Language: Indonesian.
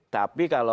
tapi kalau lokal